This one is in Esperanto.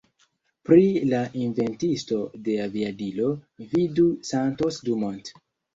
Pri la inventisto de aviadilo, vidu Santos Dumont.